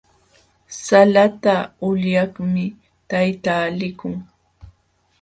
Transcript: Salata ulyaqmi tayta likun.